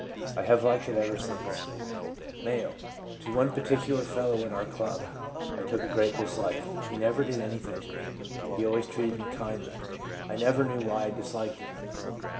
I have liked it ever since/ M. ' To one particular fellow in CONVERSION AS A NORMAL EXPERIENCE 141 our club I took a great dislike. He never did anything to me. He always treated me kindly. I never knew why I disliked him.'